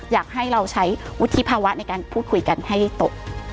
อยากให้เราใช้วุฒิภาวะในการพูดคุยกันให้ตก